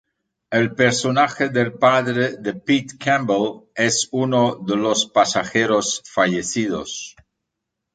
El personaje del padre de Pete Campbell es uno de los pasajeros fallecidos.